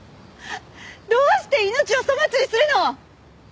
どうして命を粗末にするの！？